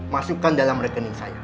masukkan dalam rekening saya